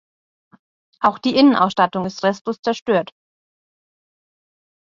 Auch die Innenausstattung ist restlos zerstört.